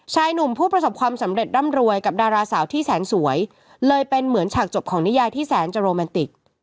ชายหนุ่มผู้ประสบความสำเร็จร่ำรวยกับดาราสาวที่แสนสวยเลยเป็นเหมือนฉากจบของนิยายที่แสนจะโรแมนติก